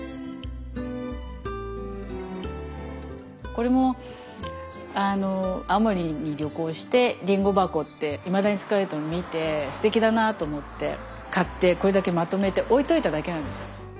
これも青森に旅行してりんご箱っていまだに使われているのを見てすてきだなと思って買ってこれだけまとめて置いといただけなんですよ。